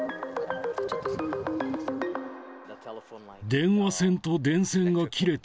電話線と電線が切れて、